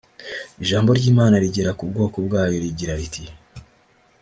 Ijambo ry’Imana rigera ku bwoko bwayo rigira riti